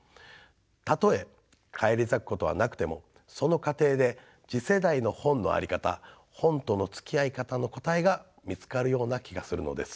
たとえ返り咲くことはなくてもその過程で次世代の本の在り方本とのつきあい方の答えが見つかるような気がするのです。